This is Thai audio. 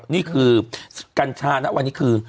นี่คือกัญชานะวันนี้คือ